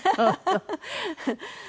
ハハハハ。